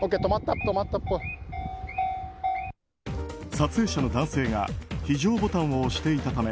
撮影者の男性が非常ボタンを押していたため